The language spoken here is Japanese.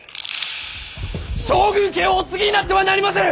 将軍家をお継ぎになってはなりませぬ！